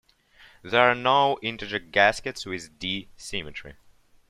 There are no integer gaskets with "D" symmetry.